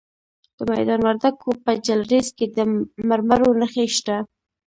د میدان وردګو په جلریز کې د مرمرو نښې شته.